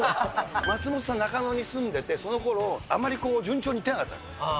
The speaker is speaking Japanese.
松本さん、中野に住んでて、そのころ、あまり順調にいってなかった。